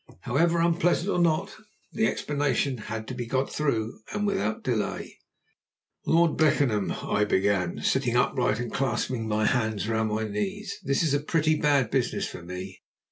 However, unpleasant or not, the explanation had to be got through, and without delay. "Lord Beckenham," I began, sitting upright and clasping my hands round my knees, "this is a pretty bad business for me.